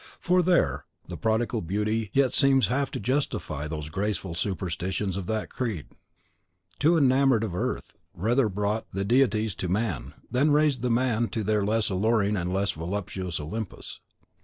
For there the prodigal beauty yet seems half to justify those graceful superstitions of a creed that, too enamoured of earth, rather brought the deities to man, than raised the man to their less alluring and less voluptuous Olympus.